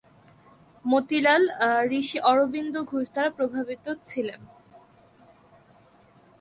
মতিলাল, ঋষি অরবিন্দ ঘোষ দ্বারা প্রভাবিত ছিলেন।